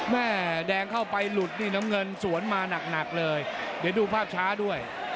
แม่แดงเข้าไปหลุดนี่น้ำเงินสวนมาหนักเลยเดี๋ยวดูภาพช้าด้วย